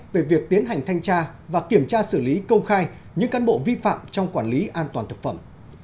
về việc tiến hành thanh tra và kiểm tra xử lý công khai những căn bộ vi phạm trong quản lý an toàn thực phẩm